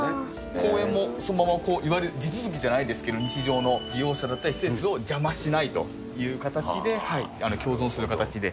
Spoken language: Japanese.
公園もそのまま地続きじゃないですけど、日常の利用者だったり、施設を邪魔しないという形で共存する形で。